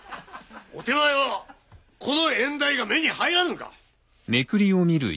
お手前はこの演題が目に入らぬか？